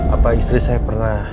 apa istri saya pernah